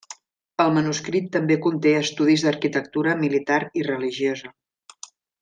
El manuscrit també conté estudis d'arquitectura militar i religiosa.